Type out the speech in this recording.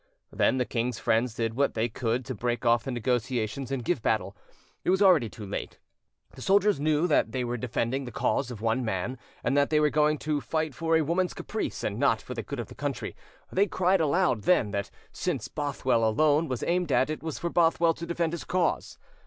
Then the king's friends did what they could to break off the negotiations and give battle: it was already too late; the soldiers knew that they were defending the cause of one man, and that they were going to fight for a woman's caprice, and not for the good of the country: they cried aloud, then, that "since Bothwell alone was aimed at, it was for Bothwell to defend his cause".